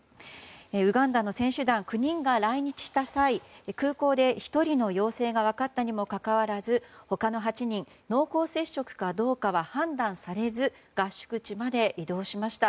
ウガンダの選手団９人が来日した際空港で１人の陽性が分かったにもかかわらず他の８人、濃厚接触かどうかは判断されず合宿地まで移動しました。